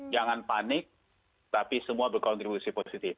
jangan panik tapi semua berkontribusi positif